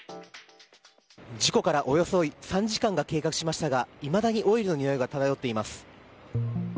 事故からおよそ３時間が経過しましたがいまだにオイルのにおいが漂っています。